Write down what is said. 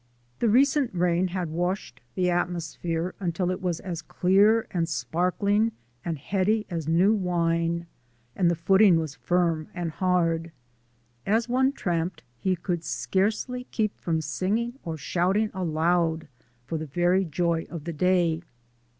The recent rain had washed the atmosphere until it was as clear and sparkling and heady as new wine, and the footing was firm and hard. As one tramped he could scarcely keep from singing or shouting aloud for the very joy of the day.